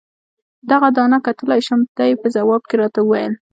دغه دانه کتلای شم؟ دې په ځواب کې راته وویل.